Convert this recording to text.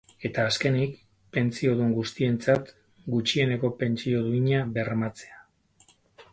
Eta azkenik, pentsiodun guztientzat gutxieneko pentsio duina bermatzea.